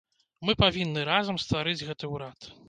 Мы павінны разам стварыць гэты ўрад.